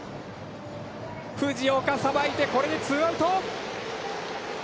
藤岡さばいて、これでツーアウト。